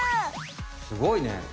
すごいね。